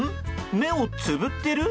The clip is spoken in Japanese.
目をつぶっている？